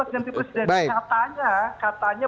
nanti presiden katanya